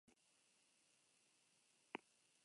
Guztira udalerri ditu eta Niza da bere hiriburua.